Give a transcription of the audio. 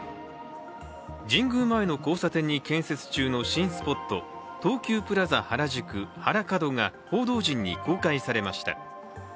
神宮前の交差点に建設中の新スポット東急プラザ原宿・ハラカドが報道陣に公開されました。